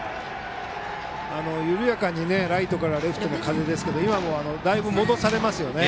緩やかなライトからレフトへの風ですが今もだいぶ戻されましたよね。